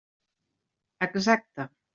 Exacte.